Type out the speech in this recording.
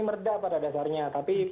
merdah pada dasarnya tapi